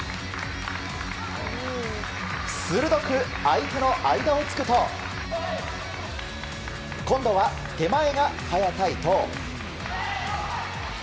鋭く相手の間を突くと今度は、手前が早田、伊藤。